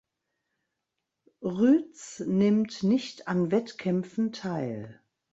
Ruetz nimmt nicht an Wettkämpfen teil.